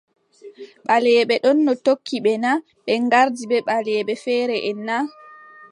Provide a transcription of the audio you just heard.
Ɓaleeɓe ɗono tokki ɓe na, ɓe ngardi ɓe ɓaleeɓe feereʼen na ?